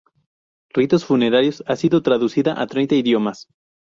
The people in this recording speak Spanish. Ritos funerarios ha sido traducida a treinta idiomas.